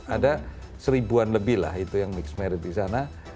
ada seribuan lebih lah itu yang mix marit di sana